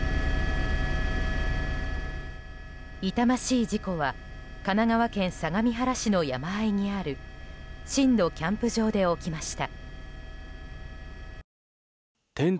痛ましい事故は神奈川県相模原市の山あいにある新戸キャンプ場で起きました。